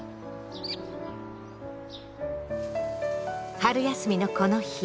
春休みのこの日。